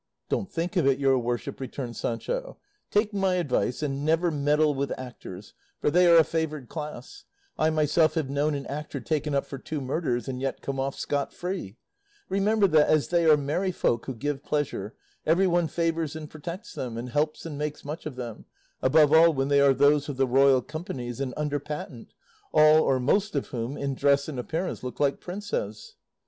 "Don't think of it, your worship," returned Sancho; "take my advice and never meddle with actors, for they are a favoured class; I myself have known an actor taken up for two murders, and yet come off scot free; remember that, as they are merry folk who give pleasure, everyone favours and protects them, and helps and makes much of them, above all when they are those of the royal companies and under patent, all or most of whom in dress and appearance look like princes."